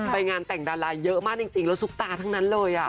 ไปงานแต่งดาราเยอะมากจริงแล้วซุปตาทั้งนั้นเลย